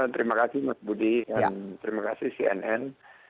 terima kasih mas budi dan terima kasih cnn